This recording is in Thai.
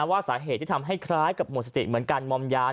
ว่าสาเหตุที่ทำให้คล้ายกับหมดสติเหมือนการมอมยาน